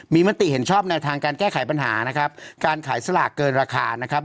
มีมติเห็นชอบแนวทางการแก้ไขปัญหานะครับการขายสลากเกินราคานะครับ